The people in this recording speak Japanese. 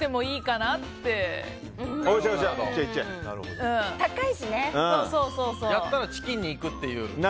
だったらチキンに行くっていう。